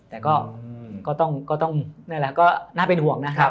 แต่ก็ต้องน่าเป็นห่วงนะครับ